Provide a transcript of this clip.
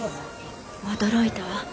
驚いたわ。